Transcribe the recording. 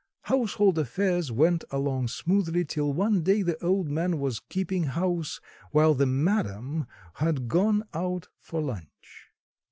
Household affairs went along smoothly till one day the old man was keeping house while the madam had gone out for lunch.